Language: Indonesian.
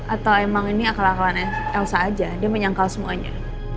atau emang ini akal akalan elsa aja dia menyangkal semuanya